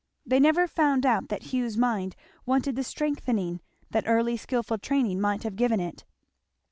They never found out that Hugh's mind wanted the strengthening that early skilful training might have given it.